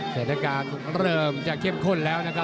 สถานการณ์เริ่มจะเข้มข้นแล้วนะครับ